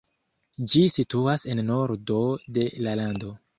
Ĝi situas en nordo de la lando.